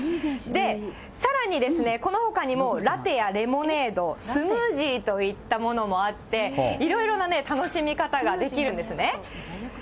さらにこのほかにも、ラテやレモネード、スムージーといったものもあって、いろいろな楽しみ方ができるんですね。